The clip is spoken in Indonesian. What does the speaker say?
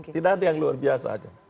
tidak ada yang luar biasa aja